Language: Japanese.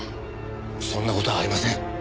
そんな事はありません。